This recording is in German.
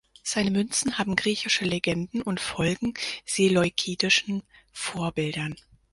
Seine Münzen haben griechische Legenden und folgen seleukidischen Vorbildern.